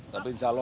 tapi insya allah